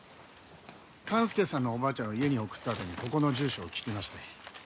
勘介さんのおばあちゃんを家に送ったあとにここの住所を聞きまして。